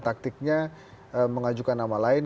taktiknya mengajukan nama lain